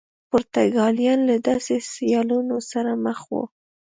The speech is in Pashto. پرتګالیان له داسې سیالانو سره مخ وو.